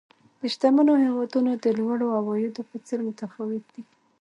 د شتمنو هېوادونو د لوړو عوایدو په څېر متفاوت دي.